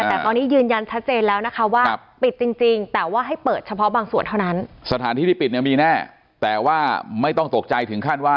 แต่ตอนนี้ยืนยันชัดเจนแล้วนะคะว่าปิดจริงแต่ว่าให้เปิดเฉพาะบางส่วนเท่านั้น